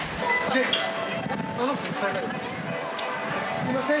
すいません